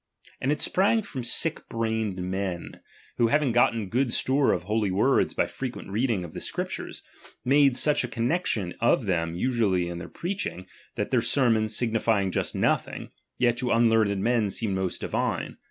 And it sprang from sick brained men, who having gotten good store of holy words by frequent reading of the Scriptures, made such a connexion of them usually in their preach chap, xii, ing, that their sermons, signifying just nothing, '^ yet to unlearned men seemed most divine.